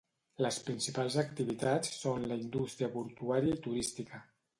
Les principals activitats són la indústria portuària i turística.